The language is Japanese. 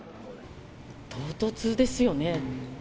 唐突ですよね。